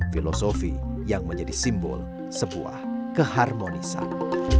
filosofi yang menjadi simbol sebuah keharmonisan